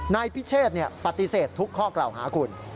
นายพิเชษปฏิเสธทุกข้อกล่าวหาคุณ